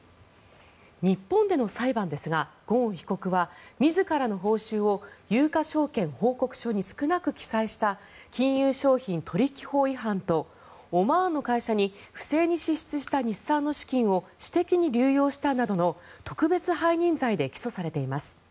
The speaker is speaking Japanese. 日本での裁判ですがゴーン被告は自らの報酬を有価証券報告書に少なく記載した金融商品取引法違反とオマーンの会社に不正に支出した日産の資金を私的に流用したなどの特別背任罪で起訴されています。